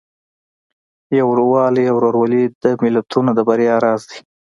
یووالی او ورورولي د ملتونو د بریا راز دی.